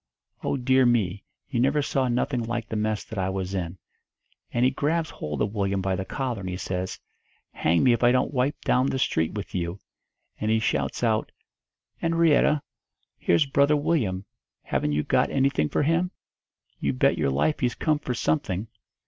Oh, dear me, you never saw nothing like the mess that I was in! And he grabs hold of Willyum by the collar, and he says, 'Hang me if I don't wipe down the street with you!' And he shouts out, ''Enrietta, here's Brother Willyum. Haven't you got anything for him? You bet your life he's come for something.'